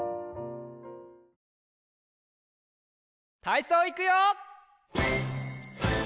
たいそういくよ！